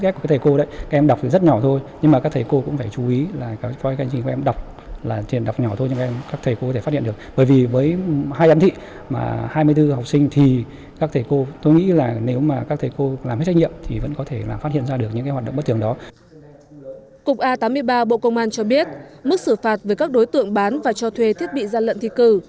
cục a tám mươi ba bộ công an cho biết mức xử phạt với các đối tượng bán và cho thuê thiết bị gian lận thi cử